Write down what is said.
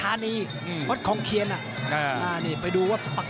มันมีรายการมวยนัดใหญ่อยู่นัด